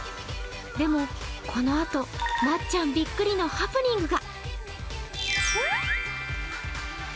でも、このあとなっちゃんびっくりのハプニングが。